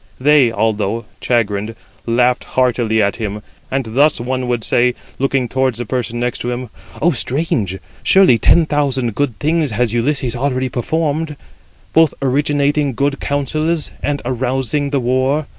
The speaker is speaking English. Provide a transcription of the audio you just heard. They, although chagrined, laughed heartily at him, and thus one would say, looking towards the person next him: "O strange! surely ten thousand good deeds has Ulysses already performed, both originating good counsels, and arousing the war.